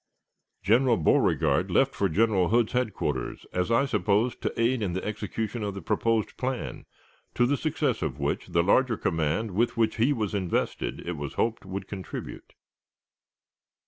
General Beauregard left for General Hood's headquarters, as I supposed, to aid in the execution of the proposed plan, to the success of which the larger command with which he was invested, it was hoped, would contribute.